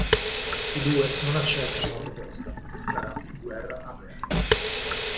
I due non accettano la proposta e sarà guerra aperta.